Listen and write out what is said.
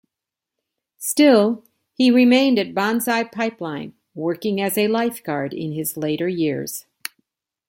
Still, he remained at Banzai Pipeline, working as a lifeguard in his later years.